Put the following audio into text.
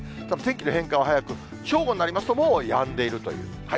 ただ天気の変化は早く、正午になりますと、もうやんでいるという。